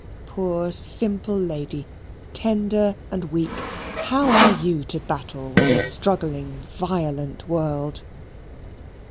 Poor simple lady, tender and weak how are you to battle with the struggling violent world?